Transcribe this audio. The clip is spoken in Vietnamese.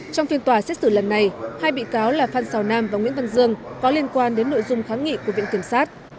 trong phiên tòa xét xử lần này hai bị cáo là phan xào nam và nguyễn văn dương có liên quan đến nội dung kháng nghị của viện kiểm sát